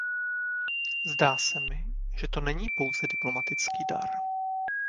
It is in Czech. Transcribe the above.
Zdá se mi, že to není pouze diplomatický dar.